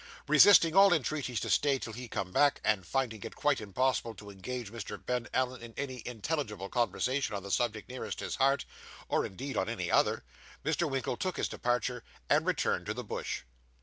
Resisting all entreaties to stay till he came back, and finding it quite impossible to engage Mr. Ben Allen in any intelligible conversation on the subject nearest his heart, or indeed on any other, Mr. Winkle took his departure, and returned to the Bush.